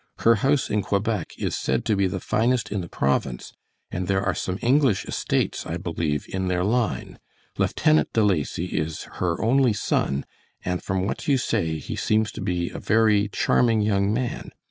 Her house in Quebec is said to be the finest in the Province, and there are some English estates, I believe, in their line. Lieutenant De Lacy is her only son, and from what you say, he seems to be a very charming young man.